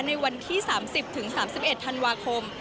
ในวันที่๓๐๓๑ธันวาคม